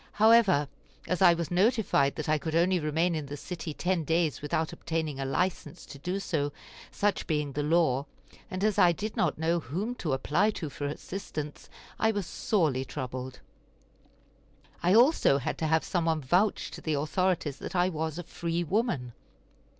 However, as I was notified that I could only remain in the city ten days without obtaining a license to do so, such being the law, and as I did not know whom to apply to for assistance, I was sorely troubled. I also had to have some one vouch to the authorities that I was a free woman.